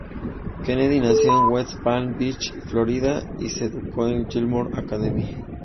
Kenney nació en West Palm Beach, Florida, y se educó en la Gilmour Academy.